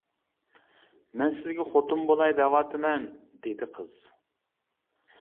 مەن سىزگە خوتۇن بولاي دەۋاتىمەن دېدى قىز.